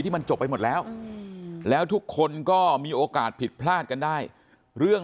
มันจบไปหมดแล้วแล้วทุกคนก็มีโอกาสผิดพลาดกันได้เรื่อง